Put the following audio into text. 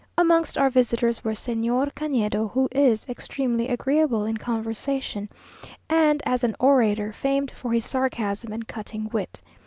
Amongst our visitors were Señor Canedo, who is extremely agreeable in conversation, and as an orator famed for his sarcasm and cutting wit.